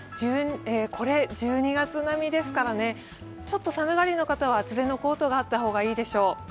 これ、１２月並みですからねちょっと寒がりの方は厚手のコートがあった方がいいでしょう。